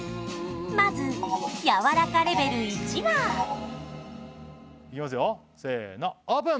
まずやわらかレベル１はいきますよせーのオープン！